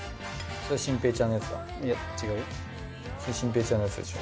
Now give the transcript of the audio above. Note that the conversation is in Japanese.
それ心平ちゃんのやつでしょ。